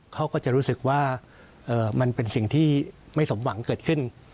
เขาก็จะรู้สึกว่ามันเป็นสิ่งที่ไม่สมหวังเกิดขึ้น